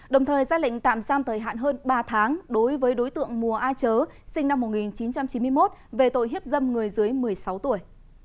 đồng thời ra lệnh tạm giam thời hạn hơn ba tháng đối với đối tượng mùa a chớ sinh năm một nghìn chín trăm chín mươi một về tội hiếp dâm người dưới một mươi sáu tuổi